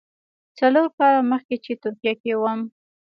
څلور کاله مخکې چې ترکیه کې وم.